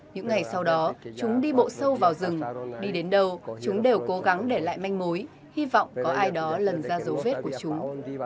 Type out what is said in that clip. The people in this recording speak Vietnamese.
những ngày sau đó chúng đi bộ sâu vào rừng đi đến đâu chúng đều cố gắng để lại manh mối hy vọng có ai đó lần ra dấu vết của chúng